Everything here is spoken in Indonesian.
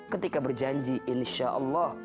ketika berjanji insyaallah